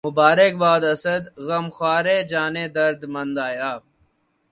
مبارک باد اسد، غمخوارِ جانِ درد مند آیا